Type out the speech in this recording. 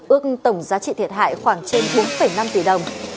ước tổng giá trị thiệt hại khoảng trên bốn năm tỷ đồng